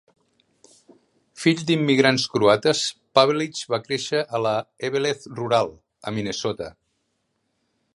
Fill d'immigrants croates, Pavelich va créixer a la Eveleth rural, a Minnesota.